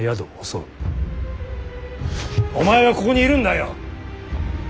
お前はここにいるんだよ。